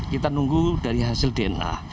kita nunggu dari hasil dna